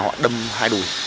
họ đâm hai đùi